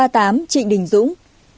ba mươi tám trịnh đình dũng